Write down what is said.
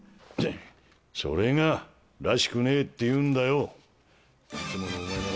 それがらしくねえっていうんだよ。